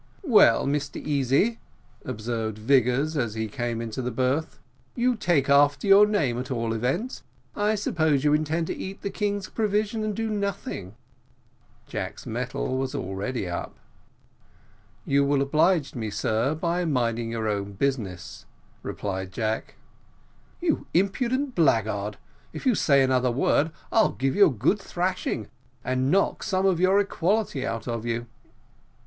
"Well, Mr Easy," observed Vigors, as he came into the berth, "you take after your name, at all events; I suppose you intend to eat the king's provision, and do nothing." Jack's mettle was already up. "You will oblige me, sir, by minding your own business," replied Jack. "You impudent blackguard, if you say another word I'll give you a good thrashing, and knock some of your equality out of you."